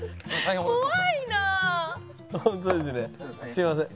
すみません。